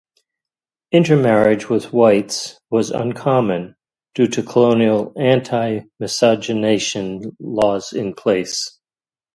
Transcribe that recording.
Intermarriage with Whites was uncommon, due to colonial anti-miscegenation laws in place.